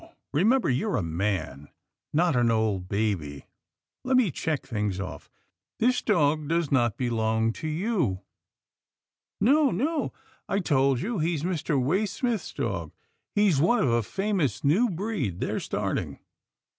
Re member you are a man, not an old baby. Let me check things off — this dog does not belong to you?" " No, no, I told you he's Mr. Waysmith's dog — he's one of a famous new breed they're starting."